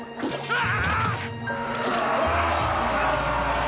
ああ。